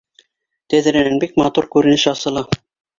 Тәҙрәнән бик матур күренеш асыла